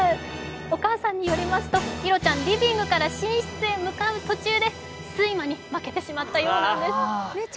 お母さんによりますといろちゃん、リビングから寝室に向かう途中で睡魔に負けてしまったようです。